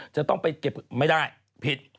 จะต้องไปเก็บไม่ได้ผิด